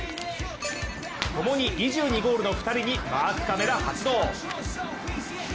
ともに２２ゴールの２人にマークカメラ発動。